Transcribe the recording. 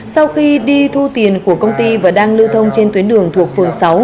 sau khi đi thu tiền của công ty và đang lưu thông trên tuyến đường thuộc phường sáu